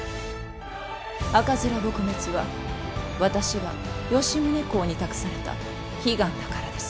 赤面撲滅は私が吉宗公に託された悲願だからです。